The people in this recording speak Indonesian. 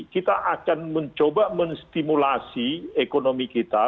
kita akan mencoba menstimulasi ekonomi kita